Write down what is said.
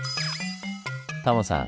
タモさん